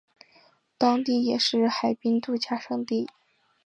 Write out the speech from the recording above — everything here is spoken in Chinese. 当地也是海滨度假胜地。